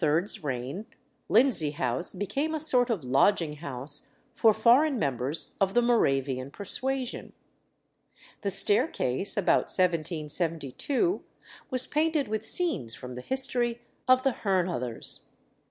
's reign Lindsey House became a sort of lodging house for foreign members of the Moravian persuasion. The staircase, about 1772, was painted with scenes from the history of the Herrnhuthers.